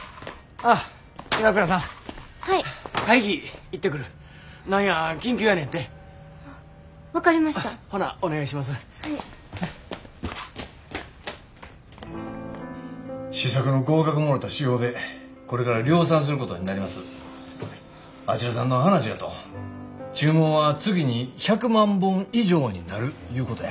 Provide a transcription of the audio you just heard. あちらさんの話やと注文は月に１００万本以上になるいうことや。